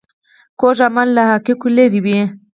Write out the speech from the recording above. کوږ عمل له حقایقو لیرې وي